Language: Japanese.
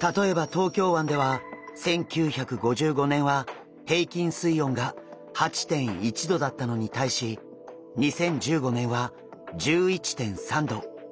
例えば東京湾では１９５５年は平均水温が８．１℃だったのに対し２０１５年は１１．３℃。